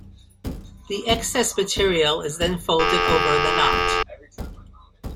The excess material is then folded over the knot.